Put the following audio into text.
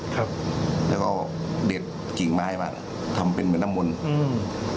ครับแล้วก็เด็ดกิ่งไม้มาทำเป็นเหมือนน้ำมนต์อืม